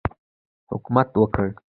حرکت وکړ.